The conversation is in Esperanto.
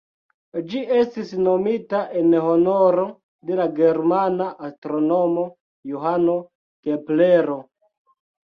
Ĝi estis nomita en honoro de la germana astronomo Johano Keplero.